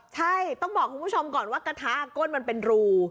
ใช่ต้องบอกคุณผู้ชมก่อนว่ากระทะก้นมันเป็นรู